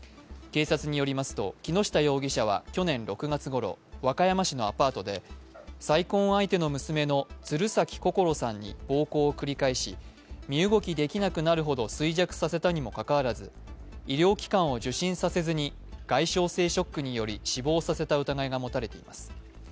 警察によりますと木下容疑者は去年６月ごろ、和歌山市のアパートで、再婚相手の娘の鶴崎心桜さんに暴行を繰り返し、身動きできなくなるほど衰弱させたにもかかわらず医療機関を受診させずに外傷性ショックにより死亡させた疑いが持たれています。